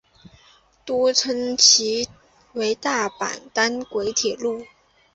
多称其为大阪单轨铁路。